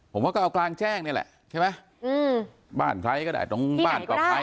ผมว่าก็เอากลางแจ้งนี่แหละใช่ไหมบ้านใครก็ได้ตรงบ้านกับใคร